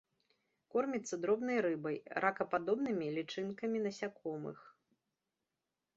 Корміцца дробнай рыбай, ракападобнымі, лічынкамі насякомых.